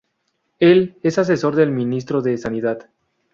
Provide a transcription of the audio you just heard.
Él es asesor del ministro de sanidad.